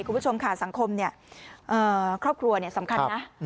คุณผู้ชมค่ะสังคมครอบครัวสำคัญนะ